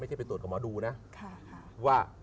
ไม่ได้ไปตรวจแบบนำมาดูนะ